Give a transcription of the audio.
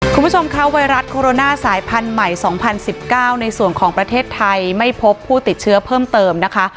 คุณผู้ชมคะไวรัสโคโรนาสายพันธุ์ใหม่๒๐๑๙ในส่วนของประเทศไทยไม่พบผู้ติดเชื้อเพิ่มเติมนะคะ